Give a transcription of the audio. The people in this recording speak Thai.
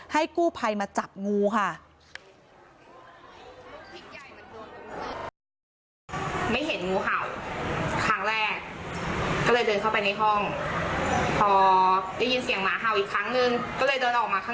ให้คู่ภัยมาจับงูค่ะ